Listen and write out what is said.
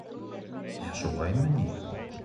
— Ә шулаймы ни?